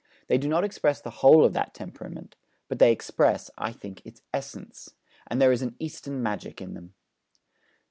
They do not express the whole of that temperament; but they express, I think, its essence; and there is an Eastern magic in them.